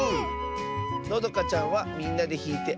のどかちゃんは「みんなでひいてあそべるね」